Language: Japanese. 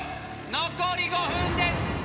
残り５分です。